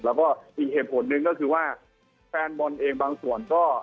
แล้วก็อีกเหตุผลหนึ่งก็คือว่าแฟนบอลเองบางส่วนก็